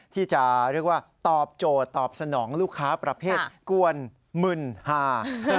ที่จะเรียกว่าตอบโจทย์ตอบสนองลูกค้าประเภทกวนมึนฮา